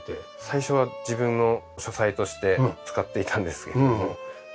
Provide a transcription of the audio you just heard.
最初は自分の書斎として使っていたんですけども徐々に子供に。